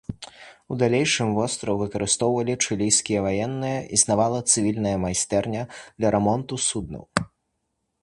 У далейшым востраў выкарыстоўвалі чылійскія ваенныя, існавала цывільная майстэрня для рамонту суднаў.